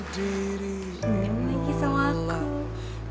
senyum lagi sama aku